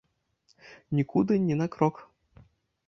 Нікуды ні на крок!